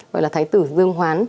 gọi là thái tử dương hoán